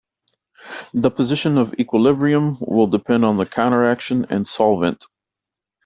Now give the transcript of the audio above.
The position of the equilibrium will depend on the countercation and solvent.